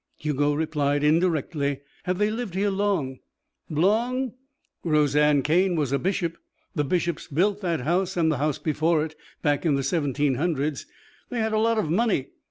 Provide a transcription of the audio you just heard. Hugo replied indirectly. "Have they lived here long?" "Long? Roseanne Cane was a Bishop. The Bishops built that house and the house before it back in the seventeen hundreds. They had a lot of money.